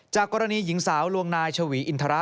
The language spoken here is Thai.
กรณีหญิงสาวลวงนายชวีอินทระ